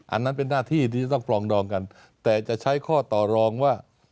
อันนั้นเป็นหน้าที่ที่จะต้องปรองดองกันแต่จะใช้ข้อต่อรองว่า